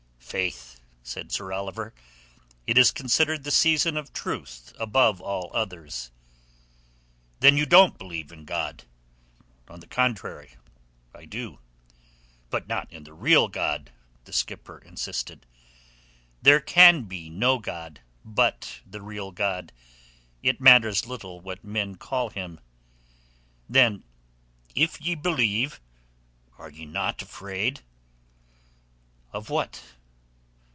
"Faith," said Sir Oliver, "it's considered the season of truth above all others." "Then ye don't believe in God?" "On the contrary, I do." "But not in the real God?" the skipper insisted. "There can be no God but the real God—it matters little what men call Him." "Then if ye believe, are ye not afraid?" "Of what?"